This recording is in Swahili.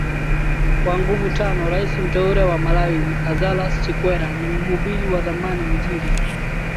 kwa nguvutanoRais mteule wa Malawi Lazarus Chikwera ni mhubiri wa zamani injili